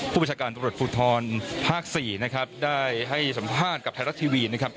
ผู้ประชาการตำรวจภูทธรภ๔ได้ให้สัมภาษณ์กับไทรัติวี